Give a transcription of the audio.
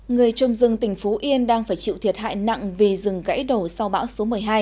người trồng rừng tỉnh phú yên đang phải chịu thiệt hại nặng vì rừng gãy đổ sau bão số một mươi hai